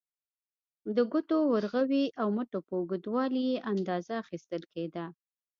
د ګوتو، ورغوي او مټو په اوږدوالي یې اندازه اخیستل کېده.